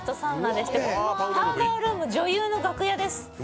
「パウダールーム女優の楽屋です」